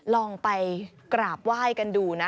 ลองไปกราบไหว้กันดูนะ